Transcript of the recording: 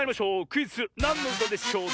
クイズ「なんのうたでしょう」